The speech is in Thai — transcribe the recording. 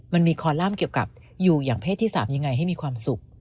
มันมีคอลัมป์เกี่ยวกับอยู่อย่างเพศที่๓ยังไงให้มีความสุข